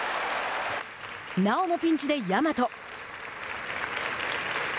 なおもピンチで大和。